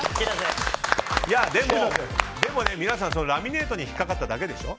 でもね、皆さんラミネートに引っかかっただけでしょ？